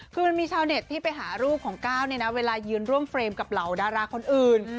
คือมันมีชาวเน็ตที่ไปหารูปของก้าวเนี่ยนะเวลายืนร่วมเฟรมกับเหล่าดาราคนอื่น